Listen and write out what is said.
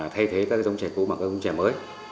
thay thế các giống trè cũ bằng các giống trè mới